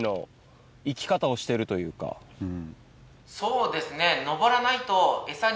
そうですね。